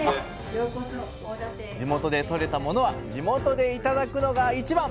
地元でとれたものは地元で頂くのが一番！